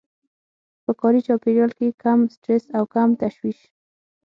په کاري چاپېريال کې کم سټرس او کم تشويش.